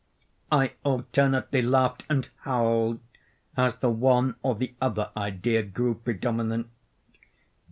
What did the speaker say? I alternately laughed and howled as the one or the other idea grew predominant.